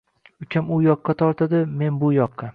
Ukam u yoqqa tortadi, men bu yoqqa.